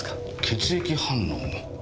血液反応。